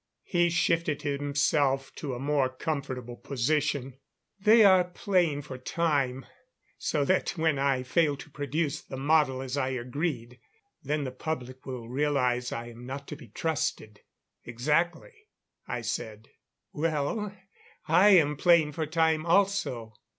He shifted himself to a more comfortable position. "They are playing for time so that when I fail to produce the model as I agreed, then the public will realize I am not to be trusted." "Exactly," I said. "Well, I am playing for time, also."